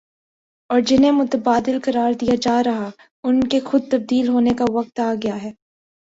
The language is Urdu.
اور جنہیں متبادل قرار دیا جا رہا ان کے خود تبدیل ہونے کا وقت آ گیا ہے ۔